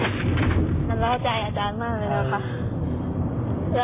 น้องสาวอาจารย์ชอบฟังไงครับ